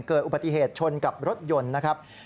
เกิดอุบัติเหตุชนกับรถยนต์นะครับ